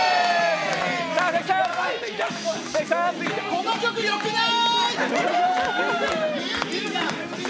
この曲、よくない？